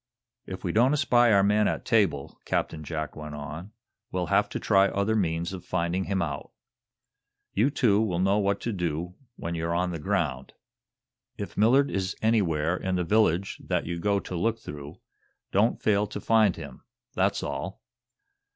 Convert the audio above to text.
"If we don't espy our man at table," Captain Jack went on, "we'll have to try other means of finding him out. You two will know what to do when you're on the ground. If Millard is anywhere in the village that you go to look through, don't fail to find him that's all."